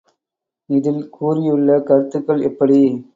இதில் கூறியுள்ள கருத்துக்கள் எப்படி?